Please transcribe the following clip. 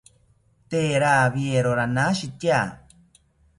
Tee rawiero ranashitya